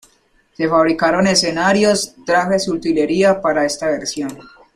Se fabricaron escenarios, trajes y utilería para esta versión.